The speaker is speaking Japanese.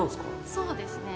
そうですね。